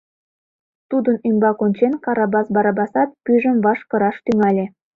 Тудын ӱмбак ончен, Карабас Барабасат пӱйжым ваш кыраш тӱҥале.